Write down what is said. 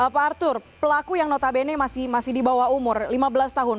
pak arthur pelaku yang notabene masih di bawah umur lima belas tahun